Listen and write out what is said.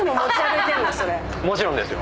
もちろんですよ。